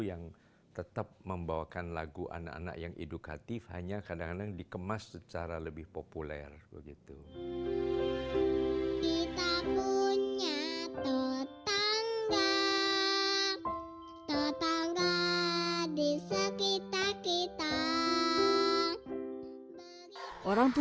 yang tetap membawakan lagu anak anak yang edukatif hanya kadang kadang dikemas secara lebih populer